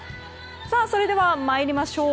それでは参りましょう。